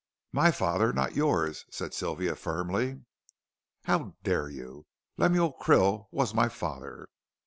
"My father, not yours," said Sylvia, firmly. "How dare you. Lemuel Krill was my father."